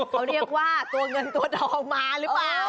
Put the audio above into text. เขาเรียกว่าตัวเงินตัวทองมาหรือเปล่า